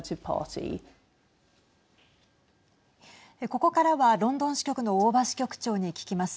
ここからはロンドン支局の大庭支局長に聞きます。